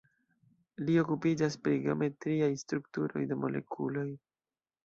Li okupiĝas pri geometriaj strukturoj de molekuloj.